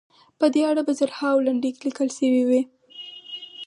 په دې اړه به زرهاوو لنډۍ لیکل شوې وي.